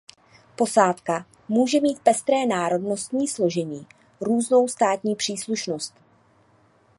Posádka může mít pestré národnostní složení, různou státní příslušnost.